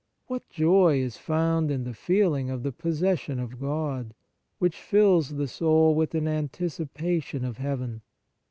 What joy is found in the feeling of the possession of God, which fills the soul with an anticipation of heaven